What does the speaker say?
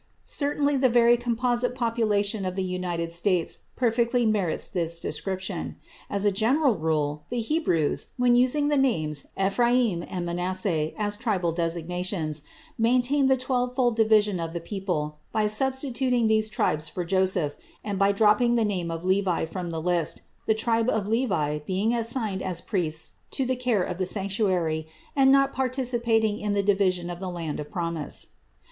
Certainly the very composite population of the United States perfectly merits this description. As a general rule, the Hebrews, when using the names Ephraim and Manasseh as tribal designations, maintained the twelve fold division of the people, by substituting these tribes for Joseph and by dropping the name of Levi from the list, the tribe of Levi being assigned as priests to the care of the sanctuary, and not participating in the division of the Land of Promise.